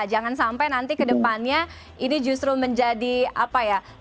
jangan sampai nanti kedepannya ini justru menjadi apa ya